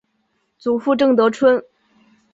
祖父郑得春。